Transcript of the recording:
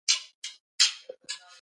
د بنديانو حقونه يې خوندي کړل.